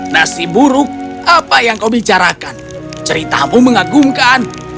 nasib buruk apa yang kau bicarakan ceritamu mengagumkan